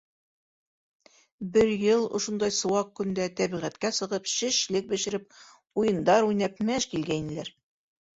Бер йыл ошондай сыуаҡ көндә тәбиғәткә сығып шешлек бешереп, уйындар уйнап мәж килгәйнеләр.